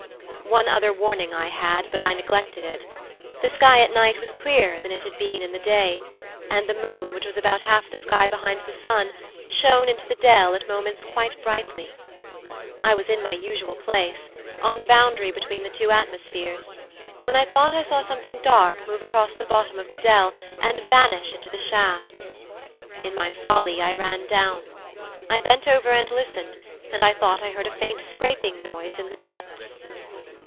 'One other warning I had, but I neglected it. The sky at night was clearer than it had been in the day, and the moon, which was about half the sky behind the sun, shone into the dell at moments quite brightly. I was in my usual place on the boundary between the two atmospheres when I thought I saw something dark move across the bottom of the dell, and vanish into the shaft. In my folly, I ran down. I bent over and listened, and I thought I heard a faint scraping noise in the depths.